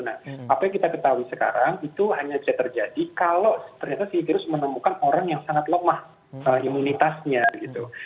nah apa yang kita ketahui sekarang itu hanya bisa terjadi kalau ternyata si virus menemukan orang yang sangat lemah imunitasnya gitu